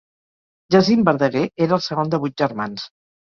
Jacint Verdaguer era el segon de vuit germans.